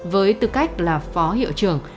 với tư cách là phó hiệu trưởng